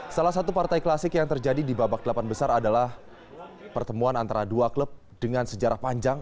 salah satu partai klasik yang terjadi di babak delapan besar adalah pertemuan antara dua klub dengan sejarah panjang